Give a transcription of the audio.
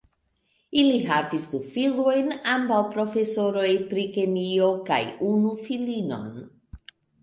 Ili havis du filojn, ambaŭ profesoroj pri kemio, kaj unu filinon.